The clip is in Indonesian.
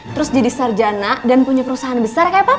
terus jadi sarjana dan punya perusahaan besar kayak apa